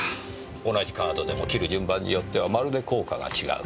同じカードでも切る順番によってはまるで効果が違う。